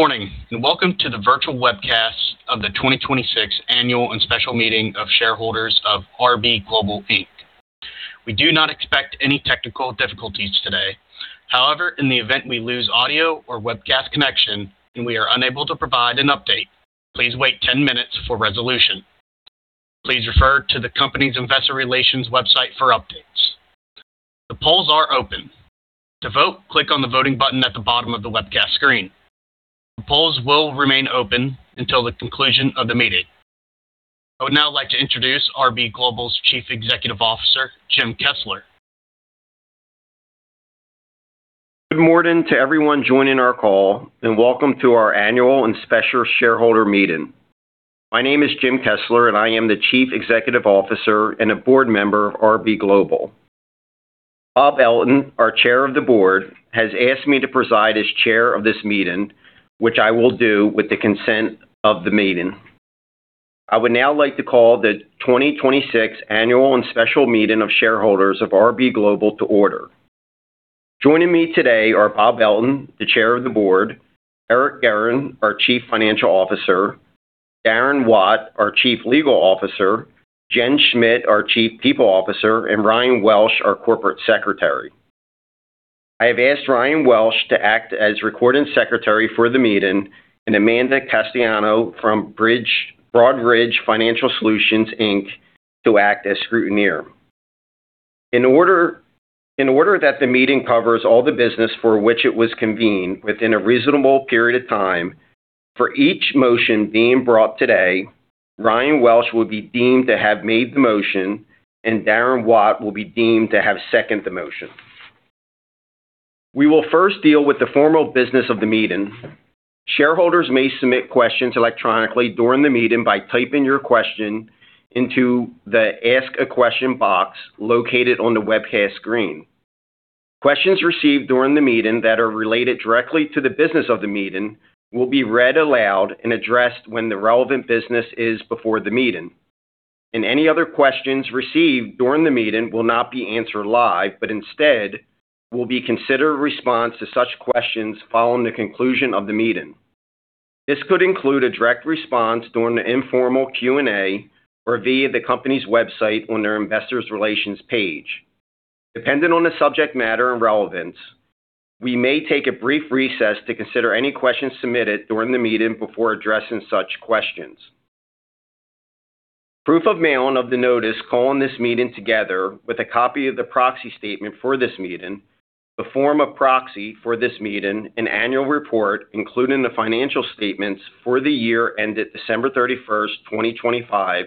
Good morning, welcome to the virtual webcast of the 2026 Annual and Special Meeting of Shareholders of RB Global, Inc. We do not expect any technical difficulties today. In the event we lose audio or webcast connection and we are unable to provide an update, please wait 10 minutes for resolution. Please refer to the company's investor relations website for updates. The polls are open. To vote, click on the Voting button at the bottom of the webcast screen. The polls will remain open until the conclusion of the meeting. I would now like to introduce RB Global's Chief Executive Officer, Jim Kessler. Good morning to everyone joining our call, and welcome to our Annual and Special Shareholder Meeting. My name is Jim Kessler, and I am the Chief Executive Officer and a board member of RB Global. Robert Elton, our Chair of the Board, has asked me to preside as chair of this meeting, which I will do with the consent of the meeting. I would now like to call the 2026 Annual and Special Meeting of Shareholders of RB Global to order. Joining me today are Robert Elton, the Chair of the Board, Eric Guerin, our Chief Financial Officer, Darren Watt, our Chief Legal Officer, Jen Schmit, our Chief People Officer, and Ryan Welsh, our Corporate Secretary. I have asked Ryan Welsh to act as Recording Secretary for the meeting and Amanda Castellano from Broadridge Financial Solutions, Inc., to act as scrutineer. In order that the meeting covers all the business for which it was convened within a reasonable period of time, for each motion being brought today, Ryan Welsh will be deemed to have made the motion, and Darren Watt will be deemed to have seconded the motion. We will first deal with the formal business of the meeting. Shareholders may submit questions electronically during the meeting by typing your question into the Ask a Question box located on the webcast screen. Questions received during the meeting that are related directly to the business of the meeting will be read aloud and addressed when the relevant business is before the meeting, and any other questions received during the meeting will not be answered live, but instead will be considered a response to such questions following the conclusion of the meeting. This could include a direct response during the informal Q&A or via the company's website on their investors relations page. Depending on the subject matter and relevance, we may take a brief recess to consider any questions submitted during the meeting before addressing such questions. Proof of mailing of the notice calling this meeting together with a copy of the proxy statement for this meeting, the form of proxy for this meeting, annual report, including the financial statements for the year ended December 31st, 2025,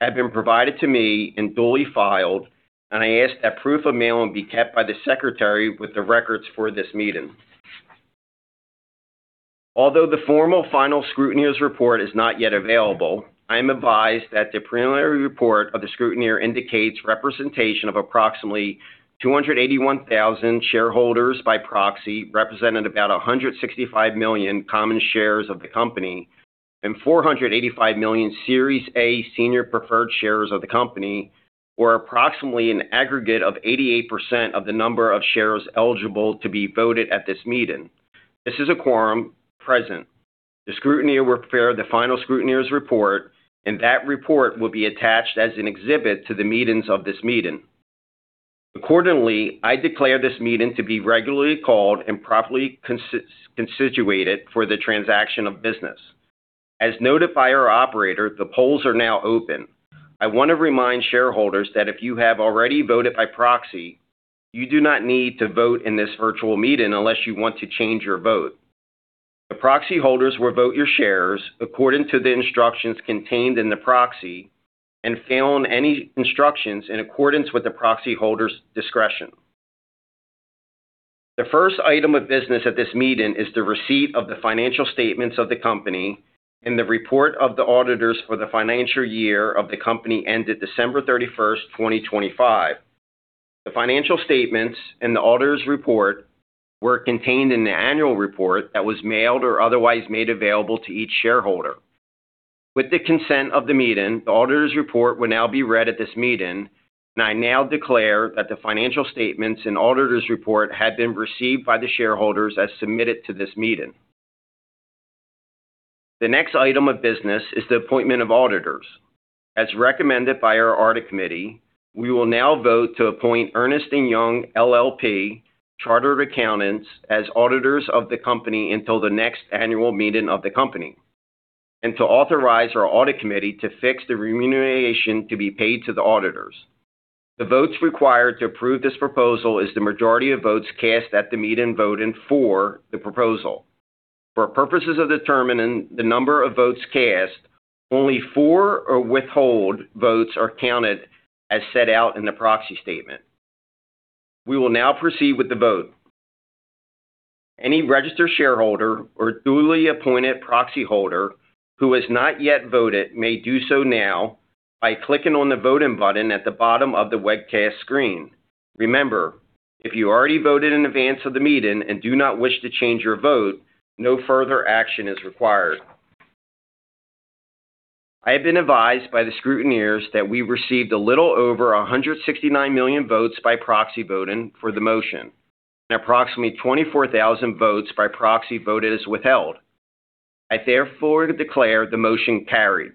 have been provided to me and duly filed. I ask that proof of mailing be kept by the Secretary with the records for this meeting. Although the formal final scrutineer's report is not yet available, I am advised that the preliminary report of the scrutineer indicates representation of approximately 281,000 shareholders by proxy represented about 165 million common shares of the company and 485 million Series A senior preferred shares of the company, or approximately an aggregate of 88% of the number of shares eligible to be voted at this meeting. This is a quorum present. The scrutineer will prepare the final scrutineer's report, and that report will be attached as an exhibit to the meetings of this meeting. Accordingly, I declare this meeting to be regularly called and properly constituted for the transaction of business. As notified our operator, the polls are now open. I want to remind shareholders that if you have already voted by proxy, you do not need to vote in this virtual meeting unless you want to change your vote. The proxy holders will vote your shares according to the instructions contained in the proxy and fill in any instructions in accordance with the proxy holder's discretion. The first item of business at this meeting is the receipt of the financial statements of the company and the report of the auditors for the financial year of the company ended December 31st, 2025. The financial statements and the auditor's report were contained in the annual report that was mailed or otherwise made available to each shareholder. With the consent of the meeting, the auditor's report will now be read at this meeting, and I now declare that the financial statements and auditor's report have been received by the shareholders as submitted to this meeting. The next item of business is the appointment of auditors. As recommended by our Audit Committee, we will now vote to appoint Ernst & Young, LLP Chartered Accountants as auditors of the company until the next annual meeting of the company and to authorize our Audit Committee to fix the remuneration to be paid to the auditors. The votes required to approve this proposal is the majority of votes cast at the meeting voting for the proposal. For purposes of determining the number of votes cast, only for-or-withhold votes are counted as set out in the proxy statement. We will now proceed with the vote. Any registered shareholder or duly appointed proxyholder who has not yet voted may do so now by clicking on the Voting button at the bottom of the webcast screen. Remember, if you already voted in advance of the meeting and do not wish to change your vote, no further action is required. I have been advised by the scrutineers that we received a little over 169 million votes by proxy voting for the motion, and approximately 24,000 votes by proxy voted as withheld. I therefore declare the motion carried.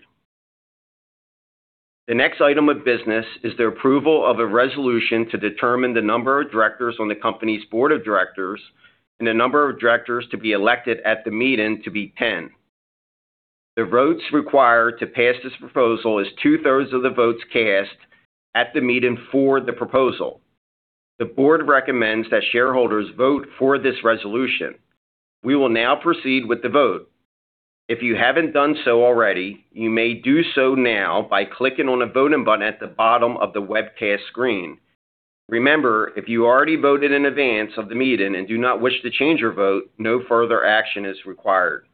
The next item of business is the approval of a resolution to determine the number of directors on the company's board of directors and the number of directors to be elected at the meeting to be 10. The votes required to pass this proposal is two-thirds of the votes cast at the meeting for the proposal. The board recommends that shareholders vote for this resolution. We will now proceed with the vote. If you haven't done so already, you may do so now by clicking on the Voting button at the bottom of the webcast screen. Remember, if you already voted in advance of the meeting and do not wish to change your vote, no further action is required.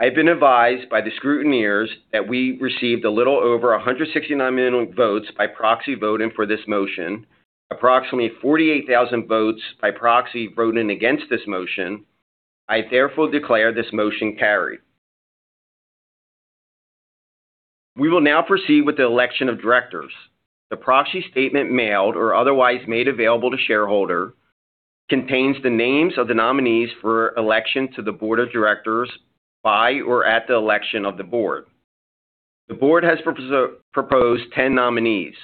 I have been advised by the scrutineers that we received a little over 169 million votes by proxy voting for this motion, approximately 48,000 votes by proxy voting against this motion. I therefore declare this motion carried. We will now proceed with the election of directors. The proxy statement mailed or otherwise made available to shareholder contains the names of the nominees for election to the board of directors by or at the election of the board. The board has proposed 10 nominees.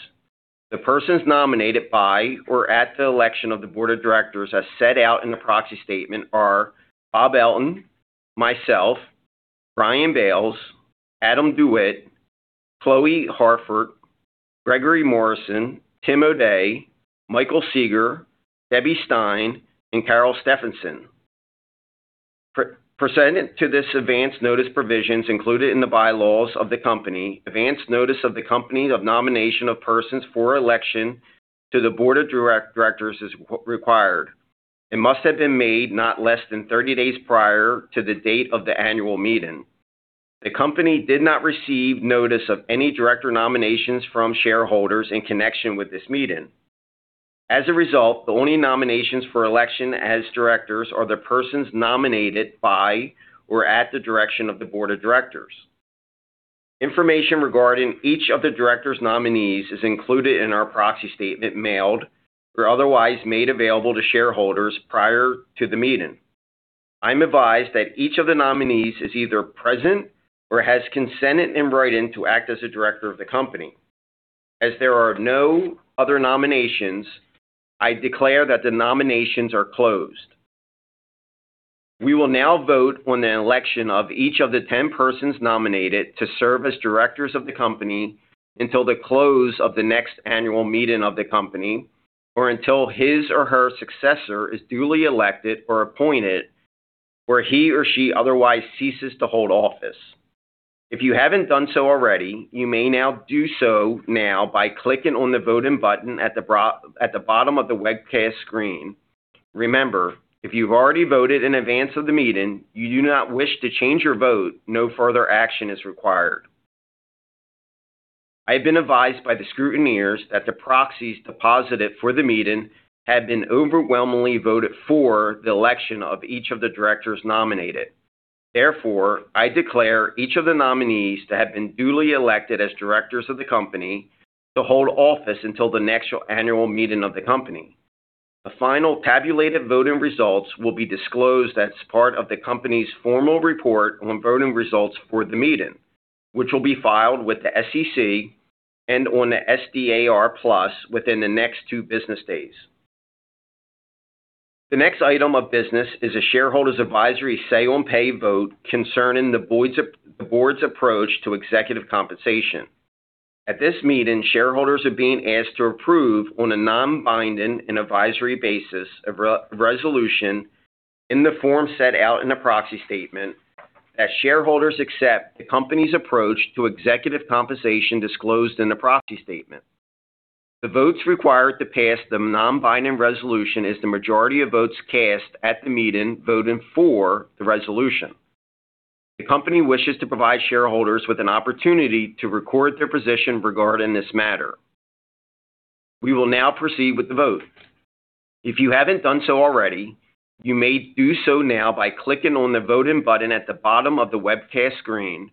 The persons nominated by or at the election of the board of directors as set out in the proxy statement are Robert Elton, myself, Brian Bales, Adam DeWitt, Chloe Harford, Gregory Morrison, Tim O'Day, Michael Sieger, Deborah Stein, and Carol Stephenson. Pursuant to this advance notice provisions included in the bylaws of the company, advance notice of the company of nomination of persons for election to the board of directors is required. It must have been made not less than 30 days prior to the date of the annual meeting. The company did not receive notice of any director nominations from shareholders in connection with this meeting. As a result, the only nominations for election as directors are the persons nominated by or at the direction of the board of directors. Information regarding each of the directors' nominees is included in our proxy statement mailed or otherwise made available to shareholders prior to the meeting. I'm advised that each of the nominees is either present or has consented in writing to act as a director of the company. There are no other nominations, I declare that the nominations are closed. We will now vote on the election of each of the 10 persons nominated to serve as directors of the company until the close of the next annual meeting of the company or until his or her successor is duly elected or appointed, or he or she otherwise ceases to hold office. If you haven't done so already, you may now do so now by clicking on the Voting button at the bottom of the webcast screen. Remember, if you've already voted in advance of the meeting, you do not wish to change your vote, no further action is required. I have been advised by the scrutineers that the proxies deposited for the meeting have been overwhelmingly voted for the election of each of the directors nominated. I declare each of the nominees to have been duly elected as directors of the company to hold office until the next annual meeting of the company. The final tabulated voting results will be disclosed as part of the company's formal report on voting results for the meeting, which will be filed with the SEC and on SEDAR+ within the next two business days. The next item of business is a shareholders' advisory say-on-pay vote concerning the board's approach to executive compensation. At this meeting, shareholders are being asked to approve on a non-binding and advisory basis a resolution in the form set out in the proxy statement that shareholders accept the company's approach to executive compensation disclosed in the proxy statement. The votes required to pass the non-binding resolution is the majority of votes cast at the meeting voting for the resolution. The company wishes to provide shareholders with an opportunity to record their position regarding this matter. We will now proceed with the vote. If you haven't done so already, you may do so now by clicking on the Voting button at the bottom of the webcast screen.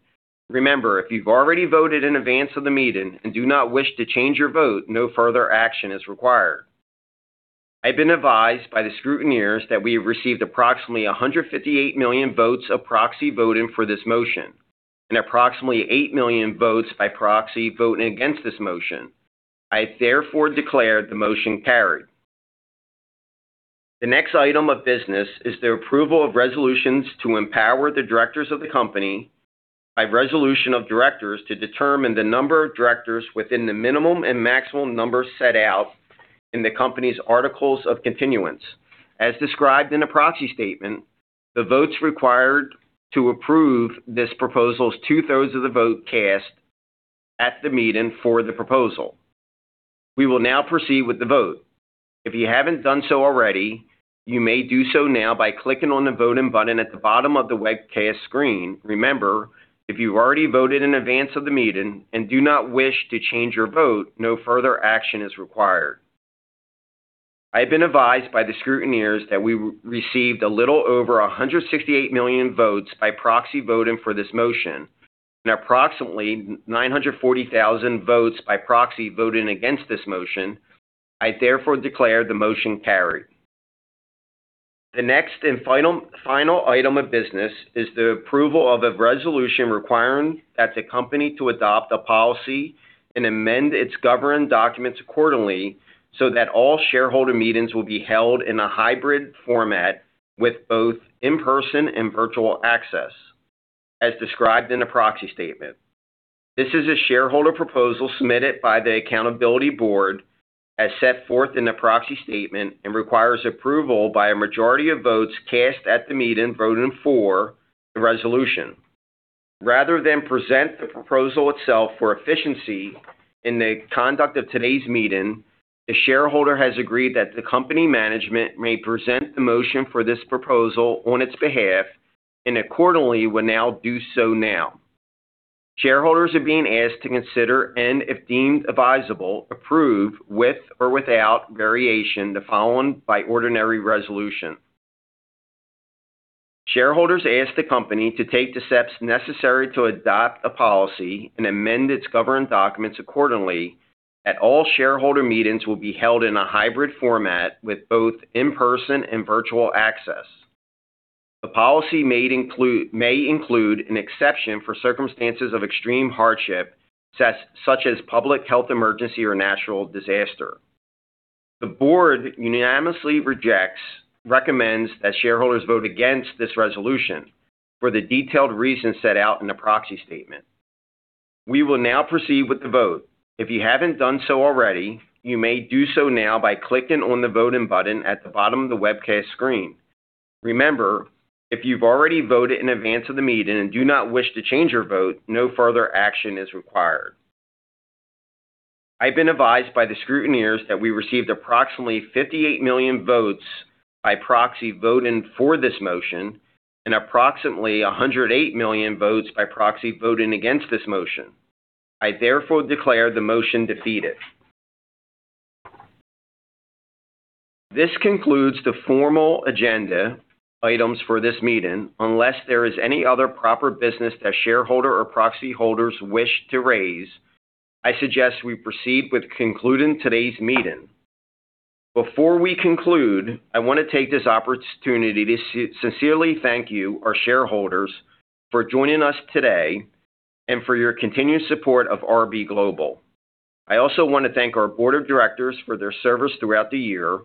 Remember, if you've already voted in advance of the meeting and do not wish to change your vote, no further action is required. I've been advised by the scrutineers that we received approximately 158 million votes of proxy voting for this motion and approximately 8 million votes by proxy voting against this motion. I therefore declare the motion carried. The next item of business is the approval of resolutions to empower the directors of the company by resolution of directors to determine the number of directors within the minimum and maximum numbers set out in the company's articles of continuance. As described in the proxy statement, the votes required to approve this proposal is two-thirds of the vote cast at the meeting for the proposal. We will now proceed with the vote. If you haven't done so already, you may do so now by clicking on the Voting button at the bottom of the webcast screen. Remember, if you've already voted in advance of the meeting and do not wish to change your vote, no further action is required. I have been advised by the scrutineers that we received a little over 168 million votes by proxy voting for this motion, and approximately 940,000 votes by proxy voting against this motion. I therefore declare the motion carried. The next and final item of business is the approval of a resolution requiring that the company to adopt a policy and amend its governing documents accordingly so that all shareholder meetings will be held in a hybrid format with both in-person and virtual access, as described in the proxy statement. This is a shareholder proposal submitted by The Accountability Board as set forth in the proxy statement, and requires approval by a majority of votes cast at the meeting voting for the resolution. Rather than present the proposal itself for efficiency in the conduct of today's meeting, the shareholder has agreed that the company management may present the motion for this proposal on its behalf and accordingly will now do so now. Shareholders are being asked to consider and, if deemed advisable, approve with or without variation the following by ordinary resolution. Shareholders ask the company to take the steps necessary to adopt a policy and amend its governing documents accordingly that all shareholder meetings will be held in a hybrid format with both in-person and virtual access. The policy may include an exception for circumstances of extreme hardship, such as public health emergency or natural disaster. The board unanimously recommends that shareholders vote against this resolution for the detailed reasons set out in the proxy statement. We will now proceed with the vote. If you haven't done so already, you may do so now by clicking on the voting button at the bottom of the webcast screen. Remember, if you've already voted in advance of the meeting and do not wish to change your vote, no further action is required. I've been advised by the scrutineers that we received approximately 58 million votes by proxy voting for this motion and approximately 108 million votes by proxy voting against this motion. I therefore declare the motion defeated. This concludes the formal agenda items for this meeting. Unless there is any other proper business that shareholder or proxy holders wish to raise, I suggest we proceed with concluding today's meeting. Before we conclude, I want to take this opportunity to sincerely thank you, our shareholders, for joining us today and for your continued support of RB Global. I also want to thank our board of directors for their service throughout the year.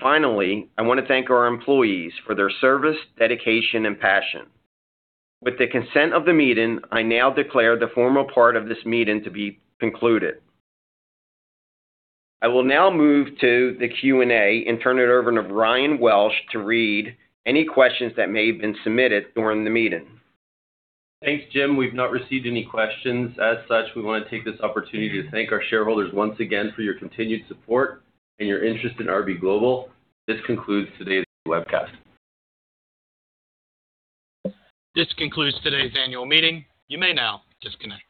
Finally, I want to thank our employees for their service, dedication, and passion. With the consent of the meeting, I now declare the formal part of this meeting to be concluded. I will now move to the Q&A and turn it over to Ryan Welsh to read any questions that may have been submitted during the meeting. Thanks, Jim. We've not received any questions. As such, we want to take this opportunity to thank our shareholders once again for your continued support and your interest in RB Global. This concludes today's webcast. This concludes today's annual meeting. You may now disconnect.